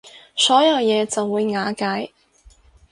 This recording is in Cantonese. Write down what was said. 所有嘢就會瓦解